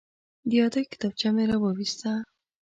د یادښت کتابچه مې راوویسته.